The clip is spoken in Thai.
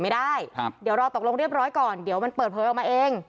เดี๋ยวรอตกลงเรียบร้อยก่อนเดี๋ยวมันเปิดเผยออกมาเอง